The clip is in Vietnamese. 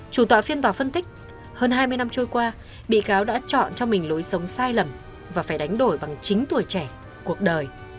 chủ tọa phiên tòa phân tích hơn hai mươi năm trôi qua bị cáo đã chọn cho mình lối sống sai lầm và phải đánh đổi bằng chính tuổi trẻ cuộc đời